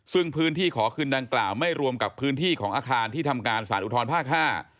ซึ่งพื้นที่ขอคืนดังกล่าวไม่รวมกับพื้นที่ของอาคารที่ทำการสารอุทธรภาคห้า